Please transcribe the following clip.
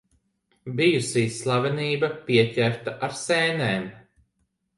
Bijusī slavenība pieķerta ar sēnēm.